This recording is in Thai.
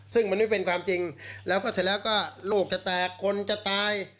ซึ่งมันไม่เป็นความจริงแล้วก็เสร็จแล้วก็โรคจะแตกคนจะตาย